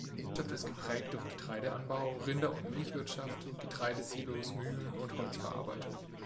Die Wirtschaft ist geprägt durch Getreideanbau, Rinder- und Milchwirtschaft, Getreidesilos, Mühlen und Holzverarbeitung.